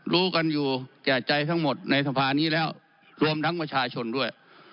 รู้กันอยู่แก่ใจทั้งหมดในสภานี้แล้วรวมทั้งประชาชนด้วย